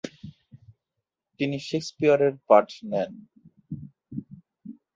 তিনি শেকসপিয়রের পাঠ নেন।